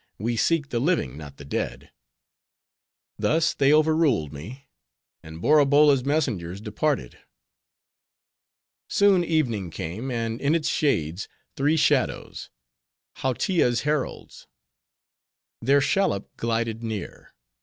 "We seek the living, not the dead." Thus they overruled me; and Borabolla's messengers departed. Soon evening came, and in its shades, three shadows,—Hautia's heralds. Their shallop glided near.